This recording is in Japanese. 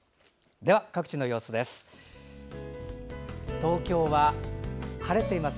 では各地の様子です。